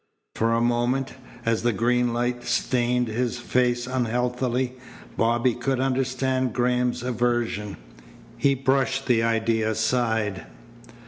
For a moment, as the green light stained his face unhealthily, Bobby could understand Graham's aversion. He brushed the idea aside.